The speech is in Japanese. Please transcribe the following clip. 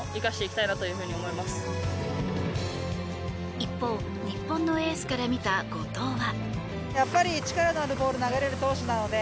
一方、日本のエースから見た後藤は。